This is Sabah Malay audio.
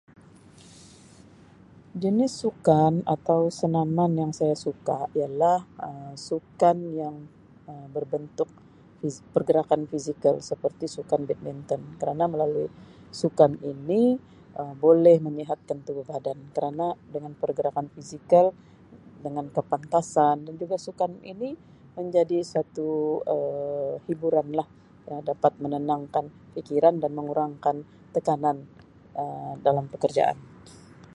Jenis sukan atau senaman yang saya suka ialah Um sukan yang Um berbentuk fizi pergerakan fizikal seperti sukan badminton kerana melalui sukan ini Um boleh menyihatkan tubuh badan kerana dengan pergerakan fizikal dengan kepantasan dan juga sukan ini menjadi satu Um hiburanlah dapat menenangkan fikiran dan mengurangkan tekanan Um dalam pekerjaan.